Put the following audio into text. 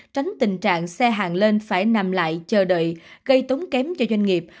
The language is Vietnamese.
tránh tình trạng xe hàng lên phải nằm lại chờ đợi gây tốn kém cho doanh nghiệp